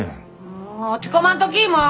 もう落ち込まんときもう。